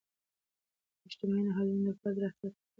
اجتماعي نهادونه د فرد د رفتار په پرتله ډیر پراخ انډول لري.